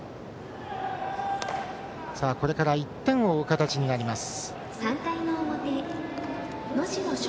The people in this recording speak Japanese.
これから１点を追う形になります。